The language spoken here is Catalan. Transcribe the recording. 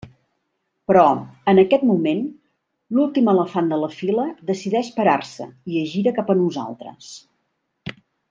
Però, en aquest moment, l'últim elefant de la fila decideix parar-se i es gira cap a nosaltres.